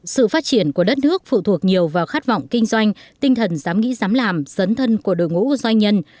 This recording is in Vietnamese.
sự phát triển của đất nước phụ thuộc nhiều vào khát vọng kinh doanh tinh thần dám nghĩ dám làm dấn thân của đội ngũ doanh nhân